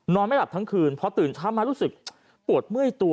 ไม่หลับทั้งคืนพอตื่นเช้ามารู้สึกปวดเมื่อยตัว